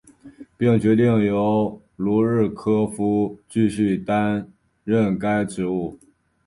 并决定由卢日科夫继续担任该职务。